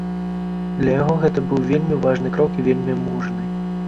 Для яго гэта быў вельмі важны крок і вельмі мужны.